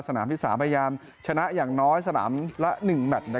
สนามภิกษาพยายามชนะอย่างน้อยสนามละ๑แมท